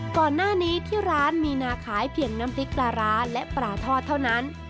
ก่อนหน้านี้ที่ร้านมีนาขายเพียงน้ำพริกปลาร้าและปลาทอดเท่านั้น